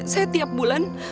saya tiap bulan